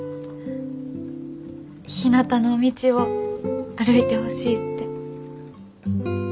ひなたの道を歩いてほしいって。